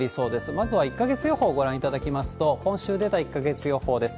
まずは１か月予報をご覧いただきますと、今週出た１か月予報です。